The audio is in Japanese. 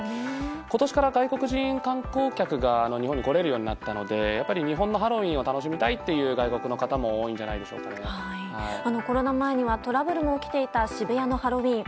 今年から外国人観光客が来れるようになったので日本のハロウィーンを楽しみたいという外国の方もコロナ前には、トラブルも起きていた渋谷のハロウィーン。